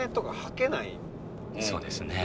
そうですね。